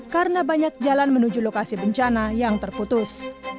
karena banyak jalan menuju lokasi bencana yang terputus